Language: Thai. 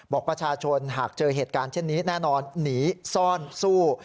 บอกประชาชนหากเจอเหตุการณ์เช่นนี้แน่นอนหนีซ่อนสู้